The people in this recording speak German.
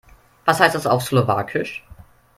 Was heißt das auf Slowakisch?